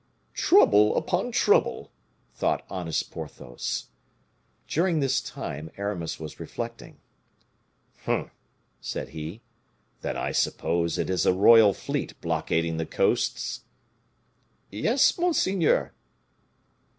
"Trouble upon trouble," thought honest Porthos. During this time Aramis was reflecting. "Humph!" said he, "then I suppose it is a royal fleet blockading the coasts?" "Yes, monseigneur."